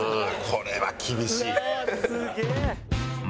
これは厳しいね。